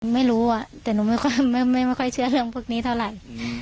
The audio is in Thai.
ไม่รู้แต่หนูไม่ค่อยเชื่อเรื่องพวกนี้เท่าไหร่